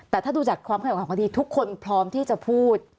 แต่ถ้าดูจากความเข้าใจของคดีทุกคนพร้อมที่จะพูด